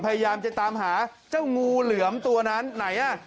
พยายามจะตามหาเจ้างูเหลือมตัวนั้นไหนอ่ะ